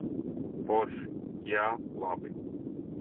Forši. Jā, labi.